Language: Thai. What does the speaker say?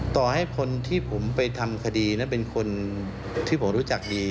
ต่อให้คนที่ผมไปทำคดีนั้นเป็นคนที่ผมรู้จักดี